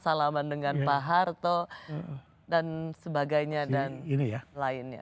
salaman dengan pak harto dan sebagainya dan lainnya